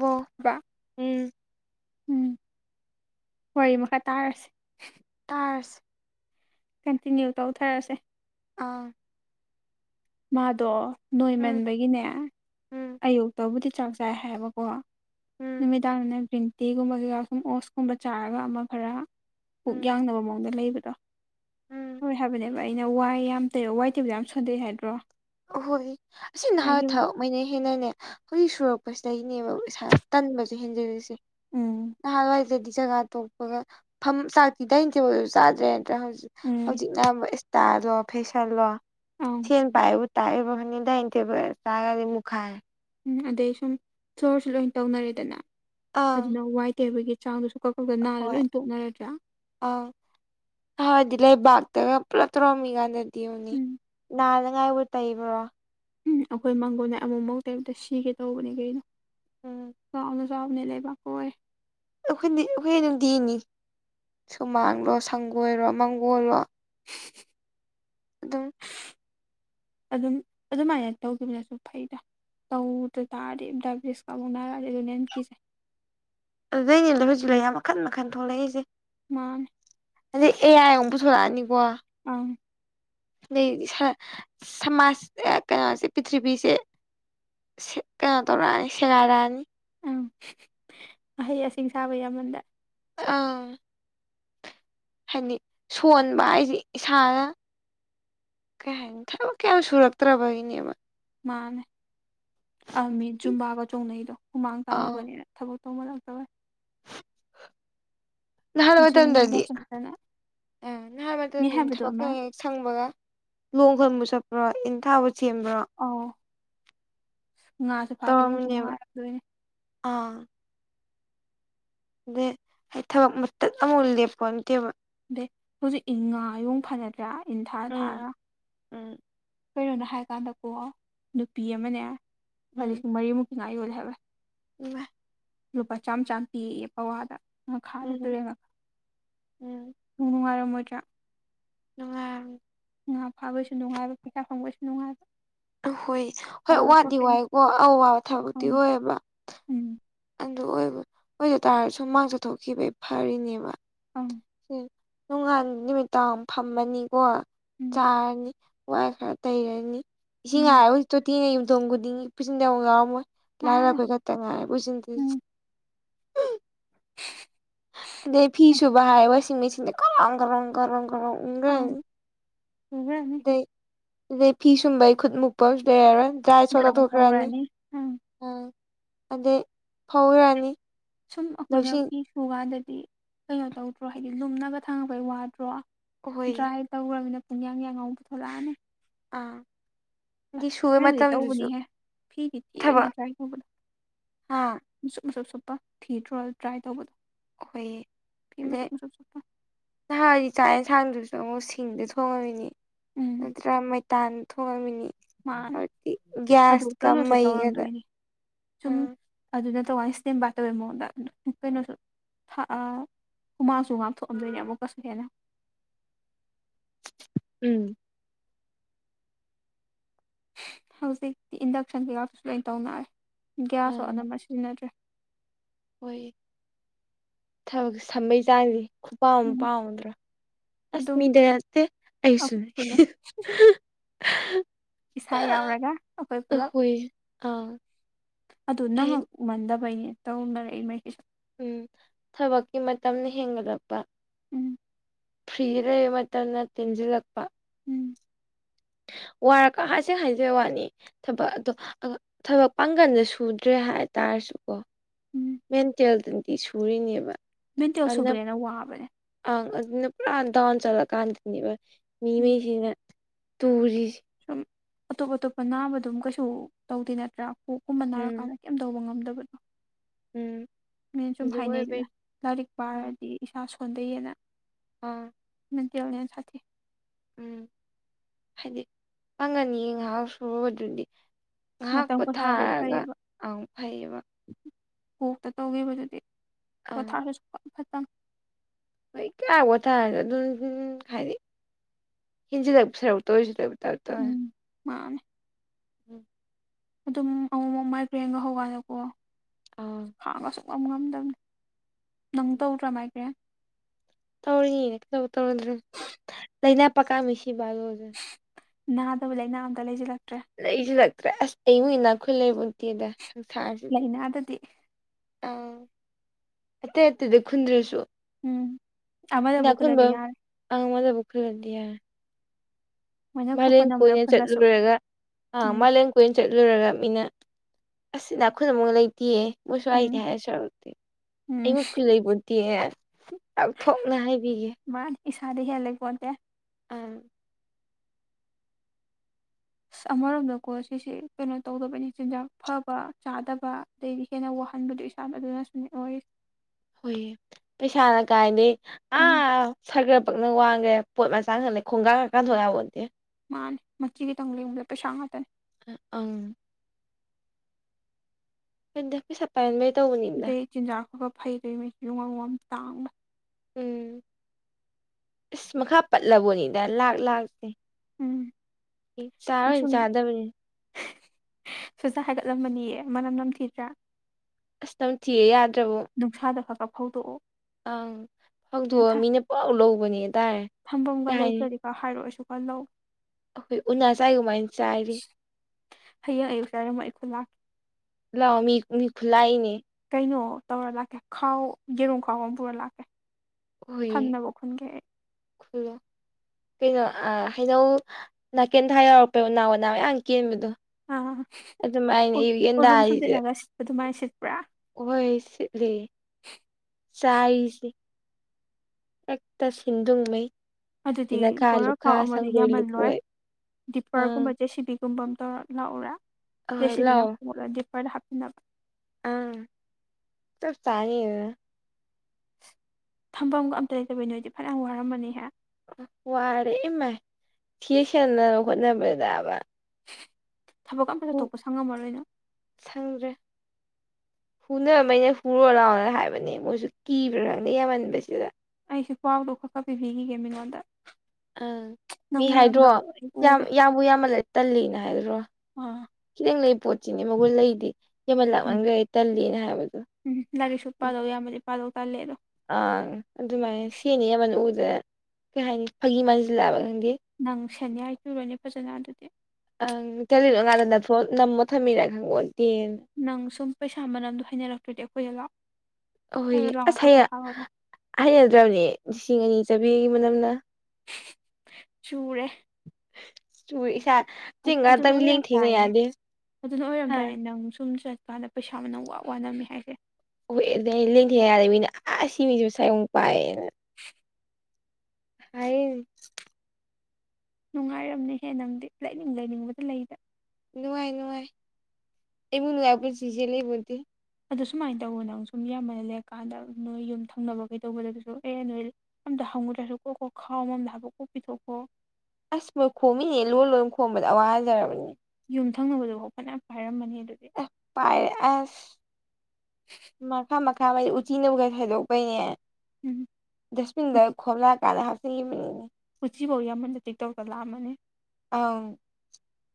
ꯕꯣ ꯕ ꯎꯝ ꯎꯝ ꯋꯥꯔꯤ ꯃꯈꯥ ꯇꯥꯔꯁꯤ ꯇꯥꯔꯁꯤ ꯀꯟꯇꯤꯅ꯭ꯌꯨ ꯇꯧꯊꯔꯁꯦ ꯑꯥ ꯃꯥꯗꯣ ꯎꯝ ꯅꯣꯏꯃꯟꯕꯒꯤꯅꯦ ꯎꯝ ꯑꯌꯨꯛꯇꯕꯨꯗꯤ ꯆꯥꯛ ꯆꯥꯏ ꯍꯥꯏꯌꯦꯕꯀꯣ ꯎꯝ ꯅꯨꯃꯤꯗꯥꯡꯗꯅ ꯒ꯭ꯔꯤꯟ ꯇꯤꯒꯨꯝꯕ ꯀꯩꯀꯥ ꯁꯨꯝ ꯑꯣꯁꯀꯨꯝꯕ ꯆꯥꯔꯒ ꯑꯃ ꯈꯔ ꯄꯨꯛ ꯎꯝ ꯌꯥꯡꯅꯕ ꯃꯑꯣꯡꯗ ꯂꯩꯕꯗꯣ ꯎꯝ ꯍꯣꯏ ꯍꯥꯏꯕꯅꯦꯕ ꯑꯩꯅ ꯋꯥꯏ ꯌꯥꯝ ꯇꯩꯌꯣ ꯋꯥꯏ ꯇꯩꯕꯖꯦ ꯌꯥꯝ ꯁꯣꯟꯗꯩ ꯍꯥꯏꯗ꯭ꯔꯣ ꯑꯍꯣꯏ ꯑꯁꯤ ꯅꯍꯥ ꯍꯥꯏꯒꯤꯕꯅꯦ ꯊꯥꯎ ꯃꯩꯅ ꯍꯦꯟꯅꯅꯦ ꯍꯧꯖꯤꯛ ꯁꯨꯔꯛꯄꯁꯤꯗꯩꯅꯦꯕ ꯏꯁꯥ ꯇꯟꯕꯁꯨ ꯍꯦꯟꯖꯜꯂꯤꯁꯦ ꯎꯝ ꯅꯍꯥꯜꯋꯥꯏꯗꯗꯤ ꯆꯥꯛꯆꯥ ꯇꯣꯛꯄꯒ ꯐꯝ ꯆꯥꯛꯇꯤ ꯗꯥꯏꯅꯤꯡ ꯊꯦꯕꯜꯗꯁꯨ ꯆꯥꯗ꯭ꯔꯦ ꯀ ꯍꯧꯖꯤꯛ ꯎꯝ ꯍꯧꯖꯤꯛꯅ ꯑꯃ ꯁ꯭ꯇꯥꯏꯜꯂꯣ ꯐꯦꯁꯟꯂꯣ ꯑꯪ ꯁꯦꯟ ꯄꯥꯏꯕꯨ ꯂꯩꯕ ꯈꯨꯅꯤꯡ ꯗꯥꯏꯅꯤꯡ ꯇꯦꯕꯜ ꯆꯥꯒ꯭ꯔꯗꯤ ꯃꯨꯈꯥꯏꯔꯦ ꯎꯝ ꯑꯗꯩ ꯁꯨꯝ ꯐ꯭ꯂꯣꯔꯁꯨ ꯂꯣꯏ ꯇꯧꯅꯔꯦꯗꯅ ꯑꯪ ꯑꯗꯨꯅ ꯋꯥꯏ ꯇꯩꯕꯒꯤ ꯆꯥꯡꯗꯨꯁꯨ ꯀꯛ ꯕꯛꯇ ꯅꯥꯜꯂ ꯂꯣꯏ ꯇꯣꯛꯅꯔꯗ꯭ꯔꯥ ꯑ ꯅꯍꯥꯋꯥꯏꯗꯤ ꯂꯩꯕꯥꯛꯇꯒ ꯄꯨꯂꯞ ꯇꯧꯔꯝꯃꯤꯒꯥꯟꯗ ꯅꯤ ꯎꯝ ꯅꯥꯅꯉꯥꯏꯕꯨ ꯇꯩꯕ꯭ꯔꯣ ꯎꯝ ꯑꯈꯣꯏ ꯃꯪꯒꯣꯟꯅ ꯑꯃꯨꯛ ꯃꯨꯛ ꯇꯩꯕꯗ ꯁꯤꯒꯦ ꯇꯧꯕꯅꯦ ꯀꯩꯅꯣ ꯎꯝ [unintelligible] ꯆꯥꯎꯅꯦ ꯂꯩꯕ ꯀꯣꯏ ꯑꯈꯣꯏꯗꯤ ꯑꯈꯣꯏ ꯅꯨꯡꯇꯤꯅꯤ ꯁꯨꯃꯥꯡꯂꯣ ꯁꯪꯒꯣꯏꯔꯣ ꯃꯥꯡꯒꯣꯜꯔꯣ ꯑꯗꯨꯝ ꯑꯗꯨꯝ ꯑꯗꯨꯃꯥꯏꯅ ꯇꯧꯒꯤꯕꯅꯁꯨ ꯐꯩꯗ ꯇꯧꯗ ꯇꯥꯔꯗꯤ ꯗꯥꯏꯕꯤꯇꯤꯁꯀ ꯑꯃꯨꯛ ꯅꯥꯔꯗꯤ ꯑꯗꯨꯅ ꯍꯦꯟꯅ ꯀꯤꯖꯩ꯫ ꯑꯗꯨꯗꯩꯅꯦ ꯍꯧꯖꯤꯛ ꯂꯩꯅꯥ ꯃꯈꯟ ꯃꯈꯟ ꯊꯣꯛꯂꯛꯏꯖꯦ ꯫ ꯃꯥꯅꯤ ꯑꯗꯨꯗꯤ ꯑꯦ ꯑꯃꯨꯛ ꯄꯨꯁꯜꯂꯛꯑꯅꯤꯀꯣ ꯑꯪ ꯑꯗꯩꯗꯤ ꯁ ꯁꯃꯥꯖ ꯑ ꯀꯩꯅꯣꯁꯦ ꯄ꯭ꯔꯤꯊꯤꯕꯤꯁꯦ ꯁꯤꯠ ꯀꯩꯅꯣ ꯇꯧꯔꯛꯑꯅꯤ ꯁꯦꯒꯥꯏꯔꯛꯑꯅꯤ ꯎꯝ ꯑꯍꯩ ꯑꯁꯤꯡ ꯁꯥꯕ ꯌꯥꯝꯃꯟꯗ ꯑꯪ ꯍꯥꯏꯗꯤ ꯁꯣꯟꯕ ꯍꯥꯏꯖꯤ ꯏꯁꯥꯅ ꯀꯩ ꯍꯥꯏꯅꯤ ꯊꯕꯛ ꯀꯩꯝ ꯁꯨꯔꯛꯇ꯭ꯔꯕꯒꯤꯅꯦꯕ꯫ ꯃꯥꯅꯦ ꯑꯥ ꯃꯤ ꯖꯨꯝꯕꯥꯒ ꯆꯣꯡꯅꯩꯗꯣ ꯍꯨꯃꯥꯡ ꯑꯥ ꯇꯥꯅꯕꯅꯤꯅ ꯊꯕꯛ ꯇꯧꯃꯜꯂꯛꯇꯕꯩ ꯅꯍꯥꯟꯋꯥꯏ ꯖꯤꯝꯒ ꯇꯟꯗꯗꯤ ꯆꯠꯇꯅ ꯎꯝ ꯅꯍꯥꯟꯋꯥꯏ ꯃꯤ ꯇꯟꯗꯗꯤ ꯍꯥꯏꯕꯗꯣ ꯊꯕꯛ ꯑꯃ ꯇꯧꯌꯥꯏ ꯁꯪꯕꯒ ꯂꯣꯡꯈꯟꯕ ꯆꯠꯄ꯭ꯔꯣ ꯏꯟꯊꯥꯕꯨ ꯆꯦꯟꯕ꯭ꯔꯣ ꯑꯧ ꯉꯥꯁꯦ ꯐꯥꯕ ꯑꯗꯨꯝꯁꯨ ꯇꯧꯔꯝꯃꯤꯅꯦꯕ ꯅꯨꯡꯉꯥꯏꯔꯛꯗꯣꯏꯅꯦ ꯑꯥ ꯑꯗꯩ ꯍꯥꯏ ꯊꯕꯛ ꯃꯇꯠ ꯑꯝꯕꯧ ꯂꯦꯞꯄꯣꯟꯇꯦꯕ꯫ ꯑꯗꯩ ꯍꯧꯖꯤꯛ ꯉꯥꯌꯣꯡ ꯐꯥꯅꯗ꯭ꯔꯥ ꯏꯟꯊꯥꯔ ꯎꯝ ꯊꯥꯔꯒ ꯎꯝ ꯀꯩꯅꯣꯅꯣ ꯍꯥꯏꯀꯥꯟꯗꯀꯣ ꯅꯨꯄꯤ ꯑꯃꯅꯦ ꯂꯨꯄꯥ ꯂꯤꯁꯤꯡ ꯃꯔꯤꯃꯨꯛꯀꯤ ꯉꯥ ꯌꯣꯜꯂꯦ ꯍꯥꯏꯕ꯫ ꯏꯃꯥꯏ ꯂꯨꯄꯥ ꯆꯥꯝ ꯆꯥꯝ ꯄꯤꯌꯦꯑꯦ ꯄꯋꯥꯗ ꯅꯈꯥꯗ ꯎꯝ ꯇꯨꯔꯦ ꯎꯝ ꯅꯨꯡꯉꯥꯏꯔꯝꯃꯣꯏꯗ꯭ꯔꯥ ꯅꯨꯉꯥꯏ ꯉꯥ ꯐꯥꯕꯩꯁꯨ ꯅꯨꯡꯉꯥꯏꯕ ꯄꯩꯁꯥ ꯐꯪꯕꯩꯁꯨ ꯅꯨꯡꯉꯥꯏꯕ ꯑꯍꯣꯏ ꯍꯣꯏ ꯗꯕꯜ ꯋꯥꯗꯤ ꯄ꯭ꯔꯣꯐꯤꯠ ꯋꯥꯏꯀꯣ ꯑꯋꯥꯕ ꯊꯕꯛꯇꯤ ꯎꯝ ꯑꯣꯏꯌꯦꯕ ꯎꯝ ꯑꯗꯨ ꯑꯣꯏꯕ ꯑꯣꯏꯖ ꯇꯥꯔꯁꯨꯨꯝ ꯃꯥꯡ ꯆꯠꯊꯣꯛꯈꯤꯕꯒꯤ ꯐꯔꯤꯅꯦꯕ ꯑꯪ ꯅꯣꯡꯉꯥꯟ ꯅꯨꯃꯤꯠ ꯇꯥꯕ ꯐꯝꯃꯅꯤꯀꯣ ꯎꯝ ꯆꯥꯔꯅꯤ ꯋꯥꯏ ꯈꯔ ꯇꯩꯔꯅꯤ ꯏꯁꯤꯡ ꯎꯝ ꯍꯥꯏꯔ ꯍꯧꯖꯤꯛ ꯇꯣꯇꯤꯉ ꯌꯨꯝꯊꯣꯡ ꯈꯨꯗꯤꯡꯒꯤ ꯄꯨꯁꯤꯟꯗꯕ ꯌꯥꯎꯔꯝꯃꯣꯏ ꯂꯥꯏꯔ ꯃꯥꯅꯤ ꯑꯩꯈꯣꯏ ꯈꯛꯇ ꯉꯥꯏꯔꯦ ꯎꯝ ꯄꯨꯟꯁꯤꯟꯗ꯭ꯔꯤꯁꯤ꯫ [unintelligible] ꯑꯗꯩ ꯑꯦ ꯐꯤꯁꯨꯕ ꯍꯥꯏꯔ ꯋꯥꯁꯤꯡ ꯃꯦꯆꯤꯟꯗ ꯒꯣꯔꯣꯡ ꯒꯣꯔꯣꯡ ꯒꯣꯔꯣꯡ ꯒꯣꯔꯣꯡ ꯑꯪ ꯁꯨꯒ꯭ꯔꯅꯤ ꯑꯗꯨꯗꯩ ꯐꯤ ꯁꯨꯝꯕꯩ ꯈꯨꯠ ꯃꯨꯛꯄ ꯑꯝꯁꯨ ꯂꯩꯔꯔꯣꯏ ꯗ꯭ꯔꯥꯏ ꯁꯣꯠ ꯇꯧꯊꯣꯛꯈ꯭ꯔꯅꯤ꯫ ꯇꯧꯔꯅꯤ ꯎꯝ ꯑꯥ ꯑꯗꯩ ꯐꯧꯌꯥꯔꯅꯤ ꯁꯨꯝ ꯑꯈꯣꯏꯅ ꯐꯤ ꯁꯨꯀꯥꯟꯗꯗꯤ ꯀꯩꯅꯣ ꯇꯧꯗ꯭ꯔꯣ ꯍꯥꯏꯗꯤ ꯂꯨꯝꯅꯕ ꯊꯥꯡꯉꯛꯄꯩ ꯋꯥꯗ꯭ꯔꯣ ꯍꯣꯏꯌꯦ ꯗ꯭ꯔꯥꯏ ꯇꯧꯒ꯭ꯔꯃꯤꯅ ꯄꯨꯡꯌꯥꯡ ꯌꯥꯡ ꯉꯥꯎ ꯄꯨ ꯊꯣꯛꯂꯛꯑꯅꯤ ꯑꯥ ꯑꯗꯩ ꯁꯨꯕ ꯀꯩꯅꯣꯗꯤ ꯃꯇꯝꯗꯨꯁꯨ ꯇꯧꯕꯅꯤꯍꯦ ꯐꯤꯗꯤ ꯊꯤꯕꯅꯤꯍꯦ ꯊꯕꯛ ꯗ꯭ꯔꯥꯏ ꯇꯧꯕꯗꯣ ꯑꯥ ꯃꯁꯨꯞ ꯃꯁꯨꯞ ꯁꯨꯞꯄ ꯊꯤꯗ꯭ꯔꯣ ꯗ꯭ꯔꯥꯏ ꯇꯧꯕꯗꯣ ꯈꯣꯏꯌꯦ ꯐꯤ ꯃꯆꯨꯞ ꯑꯗꯩ ꯃꯆꯨꯞ ꯁꯨꯞꯄ ꯅꯍꯥꯒꯤ ꯆꯥꯛ ꯑꯦꯟꯁꯥꯡꯗꯨꯁꯨ ꯑꯃꯨꯛ ꯁꯤꯡꯗ ꯊꯣꯡꯉꯝꯃꯤꯅꯤ ꯎꯝ ꯅꯠꯇ꯭ꯔ ꯃꯩ ꯇꯥꯟ ꯊꯣꯡꯉꯝꯃꯤꯅꯤ ꯃꯥꯟꯅꯦ ꯍꯧꯖꯤꯛꯇꯤ ꯑꯗꯨ ꯒ꯭ꯌꯥꯁꯀ ꯀꯩꯅꯣꯁꯨ ꯃꯩꯒꯗ ꯇꯧꯔꯝꯗꯣꯏꯅꯤ ꯁꯨꯝ ꯑꯥ ꯑꯗꯨꯅ ꯇꯧꯉꯥ ꯁ꯭ꯇꯦꯝꯕꯥꯠ ꯇꯧꯋꯦ ꯃꯑꯣꯡꯗ ꯑꯗꯨꯝ ꯀꯩꯅꯣꯁꯨ ꯊ ꯑ ꯍꯨꯃꯥꯡꯁꯨ ꯍꯨꯃꯥꯡ ꯊꯣꯛꯑꯝꯗꯣꯏꯅꯦ ꯑꯃꯨꯛꯀꯁꯨ ꯍꯦꯟꯅ ꯎꯝ ꯍꯧꯖꯤꯛꯇꯤ ꯏꯟꯗꯛꯁꯟ ꯀꯩꯀꯥꯇꯨꯁꯨ ꯂꯣꯏꯟ ꯇꯧꯅꯔꯦ ꯒ꯭ꯌꯥꯁꯁꯨ ꯑꯥ ꯑꯅꯝꯕ ꯁꯤꯖꯤꯟꯅꯗ꯭ꯔꯦ ꯍꯣꯏ ꯊꯛ ꯁꯝꯕꯩ ꯆꯥꯡꯖꯦ ꯈꯨꯠꯄꯥꯛꯃꯨꯛ ꯎꯝ ꯄꯥꯝꯑꯝꯗ꯭ꯔꯥ ꯑꯁ ꯑꯗꯨꯝ ꯃꯤꯗ ꯅꯠꯇꯦ ꯑꯩꯁꯨꯅꯦ ꯑꯩꯈꯣꯏꯅꯦ ꯏꯁꯥ ꯌꯥꯎꯔꯒ ꯑꯈꯣꯏ ꯄꯨꯂꯞ ꯑꯩꯈꯣꯏ ꯑꯥ ꯑꯗꯨ ꯑꯩ ꯅꯪꯉꯛ ꯃꯟꯗꯕꯩꯅꯦ ꯇꯧꯅꯔꯛꯏꯃꯩꯗꯨꯁꯨ ꯎꯝ ꯊꯕꯛꯀꯤ ꯃꯇꯝꯅ ꯍꯦꯟꯒꯠꯂꯛꯄ ꯎꯝ ꯐ꯭ꯔꯤ ꯂꯩꯕ ꯃꯇꯝꯅ ꯇꯤꯟꯖꯤꯜꯂꯛꯄ ꯎꯝ ꯋꯥꯔꯛꯀ ꯍꯥꯏꯁꯦ ꯍꯥꯏꯖ ꯋꯥꯅꯤ ꯊꯕꯛ ꯑꯗꯣ ꯑ ꯊꯕꯛ ꯄꯥꯡꯒꯜꯖꯦ ꯁꯨꯗ꯭ꯔꯦ ꯍꯥꯏꯇꯥꯔꯁꯨꯀꯣ ꯎꯝ ꯇꯦꯜꯗꯪꯗꯤ ꯁꯨꯔꯤꯅꯦꯕ ꯕꯤꯟꯇꯦꯜ ꯁꯨꯕꯅꯦꯅ ꯋꯥꯕꯅꯦ ꯑꯪ ꯑꯗꯨꯅ ꯄꯨꯔꯥ ꯗꯥꯎꯟ ꯆꯠꯂꯀꯥꯟꯗꯅꯦꯕ ꯎꯝ ꯃꯤꯃꯩꯁꯤꯅ ꯇꯨꯔꯤꯖꯤ ꯁꯨꯝ ꯑꯇꯣꯞ ꯑꯇꯣꯞꯄ ꯅꯥꯕꯗꯨꯝ ꯀꯩꯁꯨ ꯇꯧꯗꯦ ꯅꯠꯇ꯭ꯔꯥ ꯑꯣꯛꯀꯨꯝꯕ ꯎꯝ ꯅꯥꯔꯀꯥꯟꯗ ꯀꯩꯝ ꯇꯧꯕ ꯉꯝꯗꯕꯗꯣ ꯎꯝ ꯃꯤꯅ ꯁꯨꯝ ꯑꯗꯨ ꯑꯣꯏꯕꯩ ꯍꯥꯏꯅꯩꯗꯅ ꯂꯥꯏꯔꯤꯛ ꯑꯥ ꯄꯥꯔꯗꯤ ꯏꯁꯥ ꯁꯣꯟꯗꯌꯅ ꯑꯥ ꯃꯦꯟꯇꯦꯟꯅ ꯍꯦꯟ ꯁꯊꯤ ꯎꯝ ꯍꯥꯏꯗꯤ ꯄꯥꯡꯒꯜꯒꯤ ꯉꯥꯏꯍꯥꯛ ꯁꯨꯨꯕꯗꯨꯗꯤ ꯉꯥꯍꯥꯛ ꯉꯥꯛꯇꯪ ꯄꯣꯊꯥꯔꯛꯄ ꯄꯨꯊꯥꯔꯒ ꯐꯩꯌꯦꯕ ꯑꯪꯃꯨꯛ ꯐꯩꯌꯦꯕ ꯀꯣꯛꯇ ꯇꯧꯒꯤꯕꯗꯨꯗꯤ ꯑꯪ ꯄꯣꯊꯥꯔꯁꯨ ꯁꯐꯠ ꯐꯠꯇꯝꯅꯤ ꯍꯣꯏ ꯀꯌꯥ ꯋꯥꯊꯔꯖꯨ ꯑꯗꯨꯝ ꯍꯥꯏꯗꯤ ꯍꯦꯟꯖꯤꯜꯂꯛꯄ ꯁꯔꯨꯛꯇ ꯑꯣꯏꯁꯤꯟꯂꯛ ꯇꯥꯏꯞ ꯇꯧꯋꯦ ꯃꯥꯟꯅꯦ ꯎꯝ ꯑꯗꯨꯝ ꯑꯃꯨꯃꯨꯛ ꯃꯥꯏꯒ꯭ꯔꯦꯟꯗꯣ ꯍꯧꯀꯥꯟꯗꯀꯣ ꯑꯥ ꯈꯥꯡꯒ ꯁꯨꯛꯉꯝ ꯉꯝꯗꯝꯅꯤ ꯅꯪ ꯇꯧꯗ꯭ꯔꯥ ꯃꯥꯏꯒ꯭ꯔꯦꯟ ꯇꯧꯔꯤꯅꯤꯅꯦ ꯀꯩꯗꯧ ꯇꯧꯔꯣꯏꯗ꯭ꯔꯣ ꯂꯩꯅꯥ ꯄꯛꯀ ꯃꯤ ꯁꯤꯕꯥꯗꯣ ꯑꯣꯏꯗꯣꯏꯅꯤ ꯅꯥꯗꯕ ꯂꯩꯅꯥ ꯑꯝꯇ ꯂꯩꯖꯤꯜꯂꯛꯇ꯭ꯔꯦ ꯂꯩꯖꯤꯜꯂꯛꯇ꯭ꯔꯦ ꯑꯁ ꯑꯩꯃꯨꯛ ꯏꯅꯥꯛ ꯈꯨꯜ ꯂꯩꯕꯨꯠꯇꯦꯗ ꯁꯪꯁꯥꯔꯁꯤꯗꯤ ꯂꯥꯏꯅꯥꯗꯗꯤ ꯑꯥ ꯑꯇꯩ ꯑꯇꯩꯗ ꯈꯨꯟꯗ꯭ꯔꯁꯨ ꯎꯝ ꯏꯅꯥ ꯑꯃꯗꯕꯨ ꯈꯨꯜꯂꯗꯤ ꯈꯨꯕꯝ ꯌꯥꯔꯦ [unintelligible] ꯃꯣꯏꯅ ꯃꯥꯂꯦꯝ ꯈꯨꯈꯨꯟ ꯑꯃꯗ ꯀꯣꯏꯅ ꯈꯨꯜꯂꯁꯨ ꯆꯠꯂꯨꯔꯒ ꯑꯥ ꯎꯝ ꯃꯥꯂꯦꯝ ꯀꯣꯏ ꯆꯠꯂꯨꯔꯒ ꯃꯤꯅ ꯑꯁ [unintelligible] ꯎꯝ ꯂꯩꯇꯦ [unintelligible] ꯎꯝ ꯑꯩꯕꯨ ꯈꯨ ꯂꯩꯕꯣꯇꯣ ꯆꯥꯎꯊꯣꯛꯅ ꯍꯥꯏꯕꯤꯒꯦ ꯃꯥ ꯏꯁꯥꯗꯩ ꯍꯦꯜ ꯂꯩꯄꯣꯟꯇꯦ ꯑꯝ ꯑꯃꯔꯣꯝꯗꯀꯣ ꯁꯤꯁꯤ ꯀꯩꯅꯣ ꯇꯧꯗꯕꯩꯅꯤ ꯆꯤꯟꯖꯥꯛ ꯐꯕ ꯆꯥꯗꯕ ꯇꯩꯗꯤ ꯍꯦꯟꯅ ꯋꯥꯍꯟꯕꯗꯣ ꯏꯁꯥꯗ ꯑꯗꯨꯅꯁꯨꯅꯤ ꯑꯣꯏ ꯍꯣꯌꯦ ꯄꯩꯁꯥꯅ ꯀꯥꯏꯗꯩ ꯎꯝ ꯑꯥ [unintelligible] ꯄꯛꯅ ꯋꯥꯡꯒ꯭ꯔꯦ ꯄꯣꯠ ꯃꯆꯥꯈꯛꯂꯦ ꯈꯣꯡꯒꯥꯟꯒ ꯀꯥꯟꯊꯣꯛ ꯌꯣꯕꯣꯇꯦ ꯃꯥꯅꯤ ꯃꯆꯤ ꯈꯤꯇꯪ ꯂꯦꯡꯕꯗ ꯄꯩꯁꯥ ꯉꯥꯛꯇꯅꯤ ꯑꯪ [unintelligible] [unintelligible] ꯎꯝ ꯏꯁ ꯃꯈꯥ ꯄꯠꯂꯕꯣꯅꯤꯗ ꯂꯥꯛ ꯂꯥꯛꯇꯦ ꯎꯝ ꯆꯥꯔꯣꯏꯟ ꯁꯨꯝ ꯆꯥꯗꯕꯅꯤ [unintelligible] ꯃꯅꯝ ꯅꯝꯊꯤꯗ꯭ꯔꯥ ꯑꯁ ꯅꯝꯊꯤꯌꯦ ꯌꯥꯗ꯭ꯔꯕꯨ ꯅꯨꯡꯁꯥꯗ ꯈꯥ ꯈ꯭ꯔ ꯐꯧꯗꯣꯛꯑꯣ ꯑꯪ ꯎꯝ ꯍꯧꯗꯣꯛꯑ ꯃꯤꯅ ꯄꯥꯎ ꯂꯧꯕꯅꯦꯇꯥꯔꯦ ꯀꯩ ꯍꯥꯏꯅꯤ ꯈꯥ ꯍꯥꯏꯔꯑꯣ ꯑꯩꯁꯨ ꯈꯥ ꯂꯧ ꯑꯩꯈꯣꯏ ꯎꯅꯥꯁꯥꯏ ꯗꯨꯃꯥꯏ ꯆꯥꯏꯔꯤ ꯍꯌꯦꯡ ꯑꯌꯨꯛ ꯆꯥꯏꯔꯝꯃꯣ ꯑꯩ ꯈꯨ ꯂꯥꯛ ꯂꯥꯑꯣ ꯃꯤ ꯃꯤ ꯈꯨꯂꯥꯏꯅꯦ ꯀꯩꯅꯣ ꯇꯧꯔ ꯂꯥꯛꯀꯦ ꯈꯥꯎ ꯌꯦꯔꯨꯝ ꯈꯥꯎ ꯑꯝ ꯄꯨꯔ ꯂꯥꯛꯀꯦ ꯍꯣꯏꯌꯦ ꯊꯟꯅꯕ ꯈꯨꯟꯒꯦ ꯑꯩ ꯑꯣ ꯀꯩꯅꯣ ꯑꯥ ꯍꯩꯅꯧ ꯅꯥꯀꯦꯟ ꯊꯥ ꯌꯥꯎꯔꯛꯄꯩ ꯎꯅꯥ ꯋꯥꯅꯥ ꯃꯌꯥꯝ ꯀꯦꯟꯕꯗꯣ ꯑꯥ ꯑꯗꯨꯃꯥꯏꯅ ꯑꯌꯨꯛ ꯎꯔꯨꯝ ꯁꯨꯝꯖꯤꯠꯅꯒ ꯁꯤꯠꯄ ꯗꯨꯃꯥꯏ ꯁꯤꯠꯄ꯭ꯔꯥ ꯑꯣꯍꯣꯏ ꯁꯤꯠꯂꯦ ꯆꯥꯏꯁꯤ [unintelligible] ꯑꯗꯨꯗꯤ ꯏꯅꯈꯥ ꯕꯣꯔ ꯂꯨꯈꯥ ꯈꯥꯎ ꯑꯃꯗꯤ ꯁꯪꯒꯣꯏ ꯌꯥꯝꯃꯟꯂꯣꯏ ꯂꯨꯀꯣꯏ ꯑꯪ ꯗꯤꯄꯔꯒꯨꯝꯕ ꯖꯦꯁꯤꯄꯤ ꯇꯨꯝꯕꯝ ꯇꯧꯔ ꯂꯥꯛꯎꯔꯥ ꯑꯍꯣꯏ ꯖꯦꯁꯤꯕꯤꯅ ꯂꯥꯛꯑꯣ ꯀꯣꯠꯂ ꯗꯤꯄꯔꯗ ꯍꯥꯞꯄꯤꯅꯕ ꯑꯪ ꯆꯞ ꯆꯥꯏꯌꯦ ꯊꯝꯕꯝꯒ ꯑꯝꯇ ꯂꯩꯇꯕꯩ ꯅꯣꯏꯗꯤ ꯐꯅꯌꯥꯝ ꯋꯥꯔꯝꯃꯅꯤ ꯋꯥꯔꯦ ꯏꯃꯥꯏ ꯊꯤ ꯁꯦꯟꯂ ꯍꯣꯠꯅꯕꯗꯕ ꯊꯕꯛꯀ ꯍꯨ ꯑꯝꯇ ꯊꯣꯛꯄ ꯁꯪꯉꯝꯃꯔꯣꯏ ꯅꯥ ꯁꯪꯗ꯭ꯔꯦ ꯐꯨꯅꯕꯩꯅꯦ ꯐꯨꯔꯨ ꯂꯥꯎꯑꯣꯅ ꯑꯩ ꯍꯥꯏꯕꯅꯦ ꯃꯣꯏꯁꯨ ꯀꯤꯕ꯭ꯔꯥ ꯈꯪꯗꯦ ꯌꯥꯝꯃꯟꯕꯁꯤꯗ ꯑꯩꯁꯨ ꯄꯥꯎꯗꯣ ꯈꯥ ꯈꯥ ꯄꯤꯕꯤꯒꯤꯒꯦ ꯃꯤꯉꯣꯟꯗ ꯑꯥ ꯃꯤ ꯅꯪ ꯍꯥꯏꯗ꯭ꯔꯣ ꯋꯥꯔꯝꯗꯕꯗꯣ ꯑꯩ ꯌꯥꯝ ꯎꯔꯦ ꯌꯥꯝꯕꯨ ꯌꯥꯝꯃꯜꯂꯗꯤ ꯇꯜꯂꯤꯅ ꯍꯥꯏꯒ꯭ꯔꯣ ꯑꯥ ꯈꯤꯇꯪ ꯂꯩ ꯄꯣꯠꯆꯤꯅꯦ ꯃꯥꯒꯨ ꯂꯩꯗꯤ ꯍꯦꯃꯟ ꯎꯝ ꯂꯥꯛꯃꯟꯒ꯭ꯔꯦ ꯇꯜꯂꯤꯅ ꯍꯥꯏꯕꯗꯣ ꯎꯝ ꯂꯥꯔꯤꯛꯁꯨ ꯄꯥꯗꯧ ꯌꯥꯝꯕꯅꯤ ꯄꯥꯗꯧ ꯇꯜꯂꯦꯗꯣ [unintelligible] ꯅꯪ ꯁꯦꯟ ꯍꯥꯏ ꯆꯨꯔꯅꯦ ꯐꯖꯅ ꯑꯗꯨꯗꯤ꯫ ꯑꯪ [unintelligible] ꯀꯥꯟꯗ ꯐꯣꯟ ꯅꯝꯃ ꯊꯝꯃꯤꯔ ꯈꯪꯄꯣꯟꯇꯦ ꯅꯪ ꯁꯨꯝ ꯄꯩꯁꯥ ꯃꯅꯝꯗꯣ ꯍꯥꯏꯅꯔꯛꯇ꯭ꯔꯗꯤ ꯑꯩꯈꯣꯏꯗ ꯂꯥꯛꯑꯣ꯫ ꯑꯍꯣꯏ ꯂꯩꯔꯣ ꯂꯥꯛꯑꯣ ꯑꯁ ꯉꯥꯛꯇ ꯍꯥꯏ ꯄꯣꯊꯥꯔꯣ ꯂꯥꯎ ꯍꯥꯏꯅꯗ꯭ꯔꯕꯅꯦ ꯂꯤꯁꯤꯡ ꯑꯅꯤ ꯆꯕꯤꯒꯤ ꯃꯅꯝꯅ꯫ ꯆꯨꯔꯦ꯫ ꯆꯨꯔꯦ ꯏꯁꯥ ꯆꯤꯟ ꯑꯗꯨꯗ ꯉꯥꯛꯇꯪ ꯂꯦꯡꯊꯦꯡꯅ ꯑꯣꯏꯔꯝꯗꯥꯏꯅꯦ ꯌꯥꯗꯦ ꯑꯗꯨꯗ ꯍꯥ ꯑꯣꯏꯔꯝꯗꯥꯏꯅꯦ ꯅꯪ ꯁꯨꯝ ꯆꯠ ꯀꯥꯟꯗ ꯄꯩꯁꯥ ꯃꯅꯝ ꯋꯥ ꯋꯥ ꯅꯝꯃꯦ ꯍꯥꯏꯁꯦ꯫ ꯑꯣ ꯑꯗꯨꯗ ꯂꯦꯟꯊꯦ ꯍꯥꯏꯔꯦ ꯃꯤꯅꯦ ꯑ ꯁꯤꯅꯤꯁꯨ ꯁꯥꯏꯌꯨꯛ ꯄꯥꯏꯑꯌꯦꯅ [unintelligible] ꯍꯥꯏ꯫ ꯅꯨꯡꯉꯥꯏꯔꯝꯅꯦꯍꯦ ꯅꯪꯗꯤ ꯂꯥꯏꯅꯤꯡ ꯂꯩꯅꯤꯡꯕꯗ ꯂꯩꯗ ꯅꯨꯡꯉꯥꯏ ꯅꯨꯡꯉꯥꯏ ꯑꯩꯃꯨꯛ ꯅꯨꯪꯉꯥꯏꯕꯥ ꯄꯨꯟꯁꯤꯁꯦ ꯂꯩꯕꯣꯟꯇꯦ꯫ ꯑꯗꯣ ꯁꯨꯃꯥꯏꯅ ꯇꯧꯕ ꯅꯪ ꯁꯨꯝ ꯌꯥꯝꯃꯟꯅ ꯂꯩꯔ ꯀꯥꯟꯗ ꯅꯣꯏ ꯌꯨꯝ ꯊꯪꯅꯕ ꯀꯩꯗꯧꯕꯗꯁꯨ ꯑꯦ ꯅꯣꯏ ꯑꯝꯗ ꯍꯪꯉꯨꯗ꯭ꯔꯁꯨ ꯀꯣꯛ ꯀꯣꯛ ꯈꯥꯎ ꯑꯃ ꯑꯝꯗ ꯍꯥꯕꯣ ꯀꯣꯛ ꯄꯤꯊꯣꯛꯈꯣ꯫ ꯑꯁ ꯃꯣꯏ ꯈꯣꯝꯃꯤꯅꯦ ꯂꯣꯟ ꯂꯣꯟ ꯈꯣꯝꯕꯗ ꯑꯋꯥꯖꯔꯕꯅꯤ꯫ ꯌꯨꯝ ꯊꯪꯅꯕꯗꯨꯐꯥꯎ ꯐꯅꯌꯥꯝ ꯄꯥꯏꯔꯝꯃꯅꯤ ꯑꯗꯨꯗꯤ꯫ ꯄꯥꯏꯔꯦ ꯑꯁ ꯃꯐꯝ ꯑ ꯈꯃꯁꯦ ꯎꯆꯤꯅ [unintelligible] ꯊꯥꯏꯗꯣꯛꯄꯩꯅꯦ ꯎꯝ ꯗꯁꯕꯤꯟꯗ ꯈꯣꯝꯂꯛꯑꯀꯥꯟꯗ ꯍꯥꯞ [unintelligible] ꯀꯆꯤꯐꯥꯎ ꯌꯥꯝꯃꯟꯗ ꯇꯦꯛ ꯇꯧꯔꯒ ꯂꯥꯛꯑꯃꯅꯤ꯫ ꯑꯧ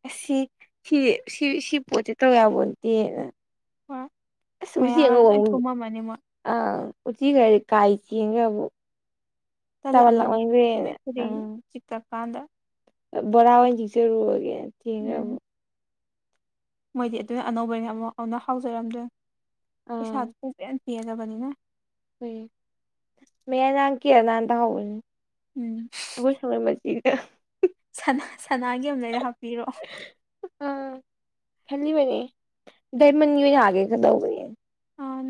ꯑꯁꯤ ꯁꯤ ꯁꯤ ꯁꯤ ꯄꯣꯠꯁꯦ ꯇꯧ ꯌꯥꯄꯣꯠꯇꯦꯅ꯫ ꯍꯣꯏ ꯨꯏꯁ ꯑꯨꯆꯤ ꯃꯌꯥꯒꯗꯣ ꯑꯉꯧꯕ ꯂꯣꯏ ꯑꯃ ꯑꯨꯔꯤꯕ꯫ ꯀꯨꯝꯃꯝꯃꯅꯤ ꯃꯣꯏ ꯑꯥ ꯎꯆꯤ ꯍꯖꯤꯛ ꯀꯥꯏ ꯆꯦꯟꯈ꯭ꯔꯦꯕꯨ ꯇꯥꯕꯜ ꯂꯥꯛꯃꯟꯒ꯭ꯔꯦꯅ꯫ ꯀꯩꯗꯧꯔꯤꯅꯣ ꯑꯥ ꯆꯤꯛꯇꯔꯀꯥꯟꯗ꯫ ꯕꯣꯔꯥ ꯑꯣꯏꯅ ꯆꯆꯔꯨꯔꯒꯦ ꯊꯦꯡꯈꯔ ꯎꯝ ꯑꯃꯨꯛ꯫ ꯃꯣꯏꯗꯤ ꯑꯗꯨꯅ ꯑꯅꯧꯕꯩꯅ ꯑꯃꯨꯛ ꯑꯃꯟꯅ ꯍꯥꯎꯖꯔꯝꯗꯣꯏ ꯑꯥ ꯄꯩꯁꯥꯗꯨ ꯄꯨꯡꯄꯦꯟ ꯄꯦꯟꯂꯕꯅꯤꯅ꯫ ꯀꯔꯤ ꯃꯦꯔꯥ ꯅꯥꯝ ꯀꯌꯥ ꯅꯥꯝ ꯇꯧꯍꯧꯕꯅꯦ꯫ ꯎꯝ꯫ ꯑꯩꯈꯣꯏ ꯁꯨꯃꯥꯏ [unintelligible] ꯁꯅꯥ ꯁꯅꯥꯒꯤ ꯑꯝ ꯂꯩꯔ ꯍꯥꯞꯄꯤꯔꯛꯑꯣ꯫ ꯑ ꯈꯜꯂꯤꯕꯅꯤ ꯗꯥꯏꯃꯟꯒꯤ ꯑꯣꯏꯅ ꯌꯥꯒ ꯀꯗꯧꯕ꯫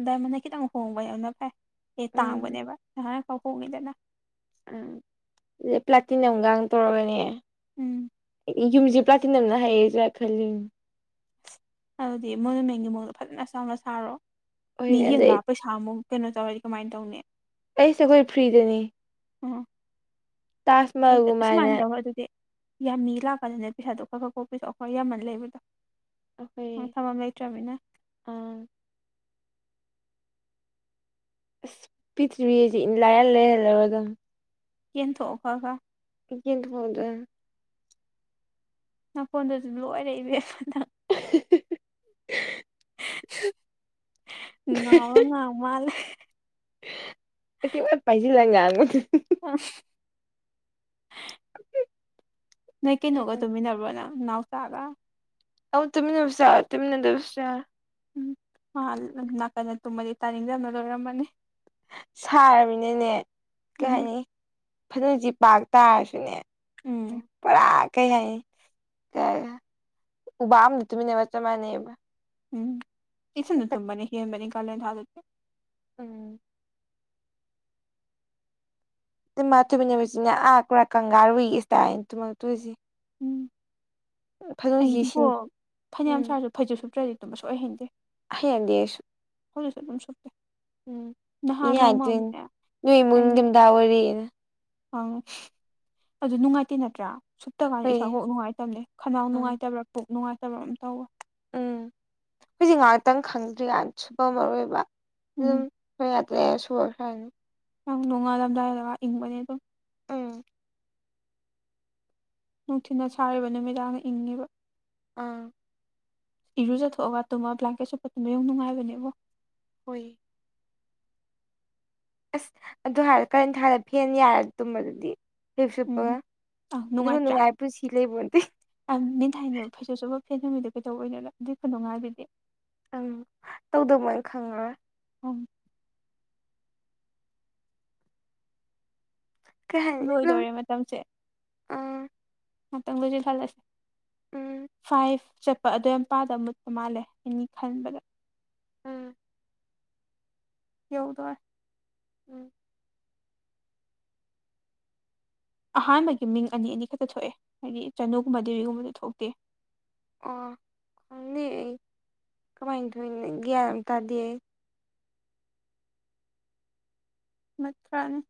ꯗꯥꯏꯃꯟꯅ ꯈꯤꯇꯪ ꯍꯣꯡꯕ ꯌꯥꯝꯅ ꯐꯩ ꯑꯦ ꯎꯝ ꯇꯥꯡꯕꯅꯦꯕ ꯅꯍꯥꯟꯈꯥꯎ ꯍꯣꯡꯉꯤꯗꯅ꯫ ꯎꯝ ꯑꯗꯨ ꯄ꯭ꯂꯥꯇꯤꯅꯝ ꯒꯥꯡ ꯇꯧꯔꯒꯅꯦ꯫ ꯎꯝ꯫ ꯌꯨꯝꯁꯦ ꯄ꯭ꯂꯥꯇꯤꯅꯝꯅ ꯍꯩꯔꯁꯤꯔꯥ ꯈꯜꯂꯤꯃꯤ꯫ ꯑꯗꯨꯗꯤ ꯃꯣꯏꯅ ꯃꯦꯟꯒꯤ ꯃꯑꯣꯡꯗ ꯐꯖꯅ ꯆꯥꯎꯅ ꯁꯥꯔꯣ ꯍꯣꯏ ꯃꯤ ꯑꯗꯩ ꯌꯦꯡꯂꯛꯑ ꯄꯩꯁꯥ ꯥ [unintelligible] ꯃꯨꯛ ꯀꯩꯅꯣ ꯇꯧꯔꯗꯤ ꯀꯃꯥꯏꯅ ꯇꯧꯅꯤ꯫ ꯑꯩꯁꯦ ꯂꯣꯏꯅ ꯐ꯭ꯔꯤꯗꯅꯤ꯫ ꯎꯝ꯫ ꯅꯪ ꯇꯥꯖꯃꯍꯜꯒꯨꯃꯥꯏꯅ ꯑꯁꯨꯃꯥꯏꯅ ꯇꯧꯔ ꯑꯗꯨꯗꯤ ꯌꯥꯝ ꯃꯤ ꯂꯥꯛꯄꯅꯤꯅꯦ ꯄꯩꯁꯥꯗꯣ ꯈꯔ ꯈꯔ ꯀꯣꯛ ꯄꯤꯗꯣ ꯈꯣꯏ ꯌꯥꯝꯃꯜ ꯂꯩꯕꯗꯣ꯫ ꯑꯈꯣꯏ ꯊꯝꯐꯝ ꯂꯩꯇ꯭ꯔꯕꯅꯤꯅ ꯑ ꯑꯁ ꯄꯤꯊ꯭ꯔꯤꯕꯤꯁꯦ ꯏꯟ ꯂꯥꯏꯌꯥꯔ ꯂꯥꯏꯌꯥꯔ ꯂꯧꯔꯗꯝꯅꯤ꯫ ꯌꯦꯟꯊꯣꯛꯑꯣ ꯈꯔ ꯈꯔ꯫ ꯌꯦꯡꯊꯣꯛꯑꯨꯗꯣꯏꯅꯤ꯫ ꯅꯥꯈꯣꯟꯗꯨꯁꯨ ꯂꯣꯏꯔꯦ ꯏꯕꯦꯝꯃ ꯅꯪ ꯉꯥꯎꯔꯥ ꯉꯥꯡ ꯃꯥꯜꯂꯦ ꯑꯁꯤ ꯑꯣꯠ ꯄꯥꯏꯖꯤꯜꯂ ꯉꯥꯡꯕꯗꯨ ꯑꯁ ꯅꯣꯏ ꯀꯩꯅꯣꯒ ꯎꯝ ꯇꯨꯃꯤꯟꯅꯕ꯭ꯔꯣ ꯅꯪ ꯅꯥꯎꯆꯥꯒ ꯑꯧ ꯇꯨꯝꯃꯤꯟꯅꯕꯁꯨ ꯌꯥꯎꯏ ꯇꯨꯃꯤꯟꯅꯗꯥꯕꯁꯨ ꯌꯥꯎꯋꯦ ꯎꯝ ꯅꯥꯀꯟꯗ ꯇꯨꯝꯃꯗꯤ ꯇꯥꯅꯤꯡꯗꯝꯅꯥ ꯂꯣꯏꯔꯝꯃꯥꯅꯤ ꯁꯥꯔꯕꯃꯤꯅꯅꯦ ꯀꯩ ꯎꯝ ꯍꯥꯏꯅꯤ ꯐꯅꯦꯛꯁꯤ ꯄꯥꯛ ꯇꯥꯔꯁꯨꯅꯦ ꯎꯝ ꯄꯣꯔꯥ ꯀꯩ ꯍꯥꯏꯅꯤ ꯎꯕꯥꯛ ꯑꯃꯗꯥ ꯇꯨꯃꯤꯟꯅꯕꯒꯥ ꯆꯞ ꯃꯥꯅꯩꯌꯦꯕ ꯎꯝ ꯏꯊꯟꯗꯥ ꯇꯨꯝꯕꯅꯥ ꯍꯦꯟꯕꯅꯤ ꯀꯥꯂꯦꯟ ꯊꯥꯗꯗꯤ ꯎꯝ ꯏꯃ ꯊꯣꯏꯃꯤꯅꯦꯕꯁꯤꯅꯦ ꯑꯥ ꯄꯨꯔꯥ ꯀꯪꯒꯥꯔꯨꯒꯤ ꯏꯁꯇꯥ꯭ꯏꯟ ꯊꯨꯝꯃꯛꯇꯣꯏꯁꯤ ꯎꯝ ꯑꯩꯗꯤꯕꯣ ꯁꯤꯟ ꯐꯥꯅꯌꯥꯝ ꯎꯝ ꯁꯥꯔꯁꯨ ꯐꯩꯖꯞ ꯁꯨꯞꯇ꯭ꯔꯥꯗꯤ ꯇꯨꯃꯕꯥ ꯁꯨꯛꯍꯩ ꯍꯩꯅꯗꯦ ꯍꯩꯅꯥꯗꯦ ꯑꯩꯁꯨ ꯍꯧꯖꯤꯀꯁꯨ ꯑꯗꯨꯝ ꯁꯨꯞꯄꯦ ꯅꯍꯥꯟ ꯃꯤꯅꯥ ꯅꯣꯡꯃ ꯍꯥꯏꯗꯣꯏꯝ ꯑꯃꯅꯦ ꯅꯣꯏ ꯏꯃꯨꯡ ꯑꯩ ꯅꯤꯡꯗꯝꯊꯥ ꯑꯣꯏꯔꯤꯅ ꯑꯪ ꯑꯗꯨ ꯅꯨꯡꯉꯥꯏꯇꯦ ꯅꯠꯇ꯭ꯔꯥ ꯁꯨꯞꯇ ꯀꯥꯟꯗ ꯍꯣꯏ ꯏꯁꯥ ꯀꯣꯛ ꯅꯨꯡꯉꯥꯏꯇꯕꯅꯦ ꯈꯅꯥꯎ ꯑꯥ ꯅꯨꯡꯉꯥꯏꯇꯕ꯭ꯔꯥ ꯄꯨꯛ ꯅꯨꯡꯉꯥꯏꯇꯕ꯭ꯔꯥ ꯑꯃ ꯇꯧꯕꯥ ꯎꯝ ꯍꯧꯖꯤꯛ ꯉꯍꯥꯛꯇꯪ ꯈꯪꯗ꯭ꯔꯤꯀꯥꯟ ꯁꯨꯞꯄꯝꯃꯔꯣꯏꯕꯥ ꯎꯝ ꯍꯣꯔꯦꯟ ꯉꯥꯛꯇꯪ ꯂꯩꯔꯥ ꯁꯣꯔ ꯁꯥꯟꯅꯤ ꯅꯣꯡꯉꯥꯜꯂꯝꯗꯥꯏꯗꯒ ꯏꯪꯕꯅꯦ ꯑꯗꯨꯝ ꯑꯝ ꯅꯨꯡꯊꯤꯟꯅ ꯁꯥꯔꯤꯕ ꯅꯨꯃꯤꯗꯥꯡꯅ ꯏꯪꯉꯤꯕ ꯑꯥ ꯏꯔꯨꯖꯊꯣꯛꯑꯒ ꯇꯨꯝꯃꯒꯥ ꯕ꯭ꯂꯀꯦꯠ ꯁꯨꯞꯄꯥ ꯇꯨꯝꯕꯥ ꯌꯣꯡ ꯅꯨꯡꯉꯥꯏꯕꯅꯦꯕꯣ ꯍꯣꯏꯌꯦ ꯑꯁ ꯑꯗꯨ ꯍꯥꯏꯔ ꯀꯥꯂꯦꯟꯊꯥꯗꯥ ꯐꯦꯟ ꯌꯥꯏꯔ ꯇꯨꯝꯕꯗꯨꯗꯤ ꯐꯩꯖꯨꯞ ꯁꯨꯞꯄꯒ ꯎꯝ ꯑꯗꯨꯕꯨ ꯅꯨꯡꯉꯥꯏꯕ ꯄꯨꯟꯁꯤ ꯂꯩꯕꯣꯟꯇꯦ ꯃꯤꯅꯥ ꯊꯥꯏꯅꯦꯕ ꯐꯩꯖꯨꯞ ꯁꯨꯄꯥ ꯐꯦꯟ ꯍꯨꯃꯤꯗꯣ ꯀꯩꯗꯧꯕꯩꯅꯣꯅꯥ ꯑꯗꯨꯏ ꯈꯨꯅꯨꯡꯉꯥꯏꯗꯨꯗꯤ ꯑꯪ ꯇꯧꯗꯥ ꯃꯣꯏꯅꯥ ꯈꯪꯉꯔꯣꯏ ꯎꯝ ꯀꯩ ꯍꯥꯏꯅꯤ ꯑꯗꯨꯝ ꯂꯣꯏꯗꯣꯔꯦ ꯃꯇꯝꯁꯦ ꯑꯥ ꯃꯇꯝ ꯂꯣꯏꯖꯤꯟꯍꯜꯂꯁꯦ ꯎꯝ ꯐꯥꯏ꯭ꯚ ꯆꯠ ꯑꯗꯨꯋꯥꯏ ꯃꯄꯥꯗ ꯃꯨꯠꯄ ꯃꯥꯜꯂꯦ ꯑꯩꯅꯥ ꯈꯟꯕꯗ ꯎꯝ ꯌꯧꯗꯣꯔꯦ ꯎꯝ ꯑꯍꯥꯟꯕꯒꯤ ꯃꯤꯡ ꯑꯅꯤ ꯑꯅꯤ ꯈꯛꯇ ꯊꯣꯛꯑꯦ ꯍꯥꯏꯗꯤ ꯆꯥꯅꯨꯒꯨꯝꯕ ꯗꯦꯕꯤꯒꯨꯝꯕꯗ ꯊꯣꯛꯇꯦ ꯑꯣ ꯈꯪꯗꯦ ꯑꯩ ꯀꯃꯥꯏꯟ ꯇꯧꯔꯤꯅꯣ ꯒ꯭ꯌꯥꯟ ꯑꯥꯝ ꯇꯥꯗꯦ ꯑꯩ ꯃꯨꯠꯈ꯭ꯔꯥꯅꯤ